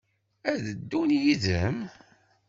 Ad d-ddun yid-m?